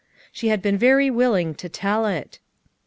She had been very willing to tell it.